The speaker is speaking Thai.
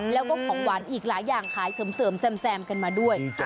แล้วก็ของหวานอีกหลายอย่างขายเสริมแซมกันมาด้วย